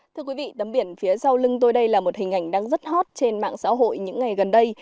thưa quý vị tấm biển phía sau lưng tôi đây là một hình ảnh đang rất hot trên mạng xã hội những ngày gần đây